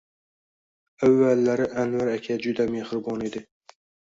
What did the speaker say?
Avvallari Anvar aka juda mehribon edi